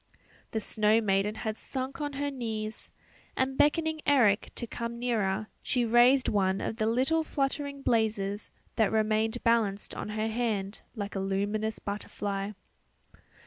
The snow maiden had sunk on her knees, and beckoning Eric to come nearer, she raised one of the little fluttering blazes that remained balanced on her hand like a luminous butterfly.